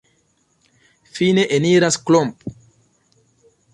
Fine eniras Klomp.